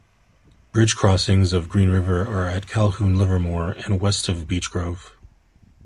Bridge crossings of Green River are at Calhoun, Livermore and west of Beech Grove.